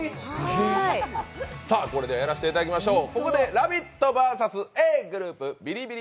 これでやらせていただきましょう。